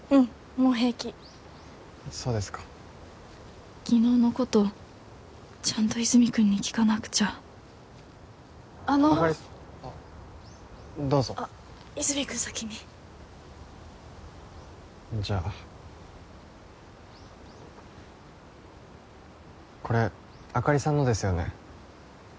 もう平気そうですか昨日のことちゃんと和泉君に聞かなくちゃあのあかりどうぞ和泉君先にじゃあこれあかりさんのですよね？